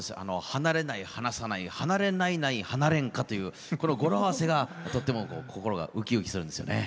「離れない離さない」「離れないない花恋歌」というこの語呂合わせがとっても心がうきうきするんですよね。